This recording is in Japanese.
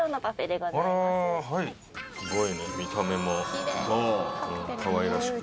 すごい見た目もかわいらしく。